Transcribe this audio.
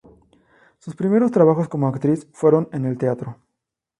Sus primeros trabajos como actriz fueron en el teatro.